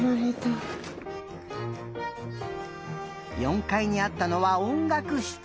４かいにあったのはおんがくしつ。